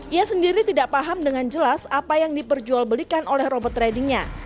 ia sendiri tidak paham dengan jelas apa yang diperjualbelikan oleh robot tradingnya